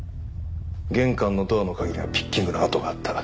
玄関のドアの鍵にはピッキングの跡があった。